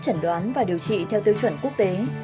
chẩn đoán và điều trị theo tiêu chuẩn quốc tế